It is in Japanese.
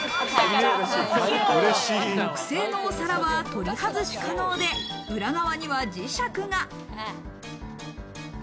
木製のお皿は取り外し可能で、裏側には磁石が。